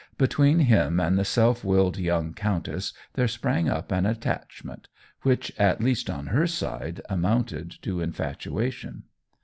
Between him and the self willed young countess there sprang up an attachment, which, at least on her side, amounted to infatuation.